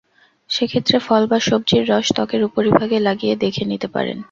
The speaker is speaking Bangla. সেক্ষেত্রে ফল বা সবজির রস ত্বকের উপরিভাগে লাগিয়ে দেখে নিতে পারেন।